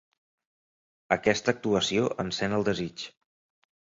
Aquesta actuació encén el desig.